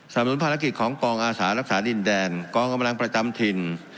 นุนภารกิจของกองอาสารักษาดินแดนกองกำลังประจำถิ่น